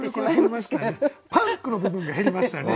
パンクの部分が減りましたね。